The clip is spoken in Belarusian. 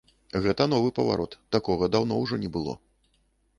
Гэта новы паварот, такога даўно ўжо не было.